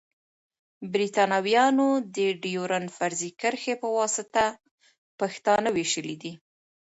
بريتانويانو د ډيورنډ فرضي کرښي پواسطه پښتانه ويشلی دی.